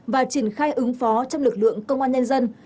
và triển khai ứng phó trong lực lượng công an nhân dân